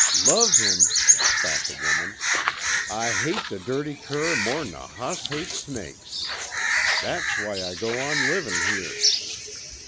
"Love him?" spat the woman. "I hate the dirty cur more'n a hoss hates snakes. That's why I go on livin' here.